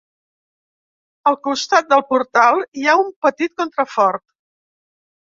Al costat del portal hi ha un petit contrafort.